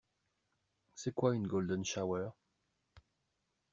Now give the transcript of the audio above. C'est quoi une golden shower?